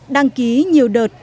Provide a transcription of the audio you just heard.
đăng ký nhiều đợt